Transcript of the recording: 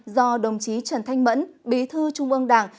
do đồng chí trần thanh mẫn bí thư trung ương đảng